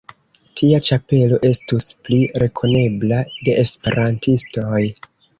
Tia ĉapelo estus pli rekonebla de Esperantistoj.